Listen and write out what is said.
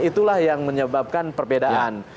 itulah yang menyebabkan perbedaan